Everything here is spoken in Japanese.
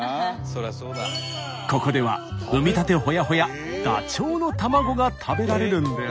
ここでは産みたてほやほやダチョウの卵が食べられるんです。